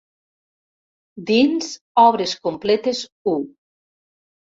Dins Obres completes u.